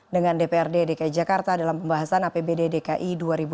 dengan dprd dki jakarta dalam pembahasan apbd dki dua ribu dua puluh